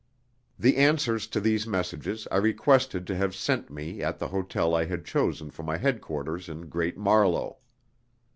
The answers to these messages I requested to have sent me at the hotel I had chosen for my headquarters in Great Marlow.